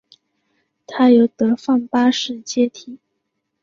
他由德范八世接替。